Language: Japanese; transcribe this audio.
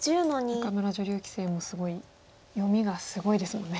仲邑女流棋聖もすごい読みがすごいですもんね。